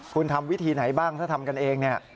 คุณทำวิธีไหนบ้างถ้าทำกันเองเนี่ย